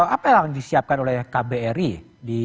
apa yang disiapkan oleh kbri